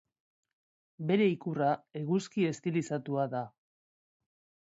Bere ikurra eguzki estilizatua da.